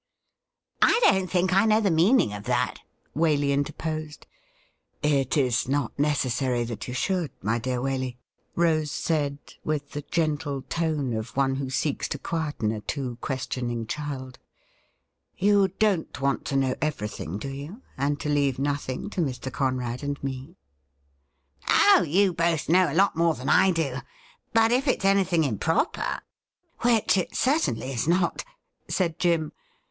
' I don't think I know the meaning of that,' Waley interposed. ' It is not necessaiy that you should, my dear Waley,' Rose said, with the gentle tone of one who seeks to quieten a too questioning child. ' You don't want to know every thing, do you, and to leave nothing to Mr. Conrad and me ?*' Oh, you both know a lot more than I do. But if it's anything improper '' V^Tiich it certainly is not,' said Jim.